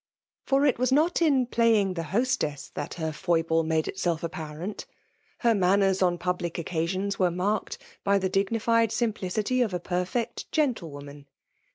For it was not ia playing the hostess that her foible made itself apparent. Her manners on public occasdona were marked by the dignified simplicity of a perfect gentlewoman.